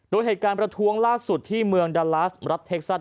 โดยเหตุการณ์ประท้วงล่าสุดที่เมืองดาลาสรัฐเท็กซัส